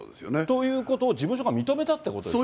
ということを、事務所が認めたということですね。